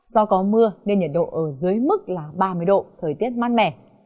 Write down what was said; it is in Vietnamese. do có mưa nên nhiệt độ ở dưới mức là ba mươi độ thời tiết mát mẻ